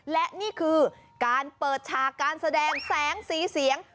และนี่คือการเปิดฉากการแสดงแสงสีเสียง